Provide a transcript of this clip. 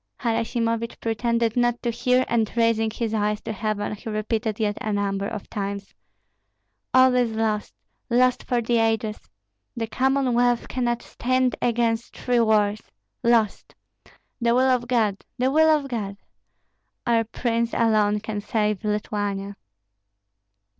Harasimovich pretended not to hear, and raising his eyes to heaven he repeated yet a number of times: "All is lost, lost for the ages! The Commonwealth cannot stand against three wars. Lost! The will of God, the will of God! Our prince alone can save Lithuania."